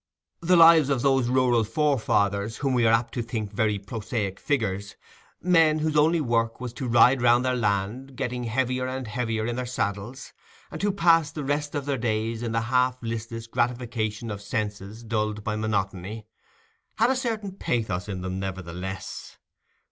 The lives of those rural forefathers, whom we are apt to think very prosaic figures—men whose only work was to ride round their land, getting heavier and heavier in their saddles, and who passed the rest of their days in the half listless gratification of senses dulled by monotony—had a certain pathos in them nevertheless.